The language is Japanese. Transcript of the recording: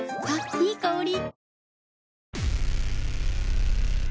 いい香り。